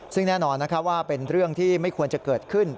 ซึ่งแน่นอนว่าเป็นเรื่องที่ไม่ควรจะเกิดขึ้น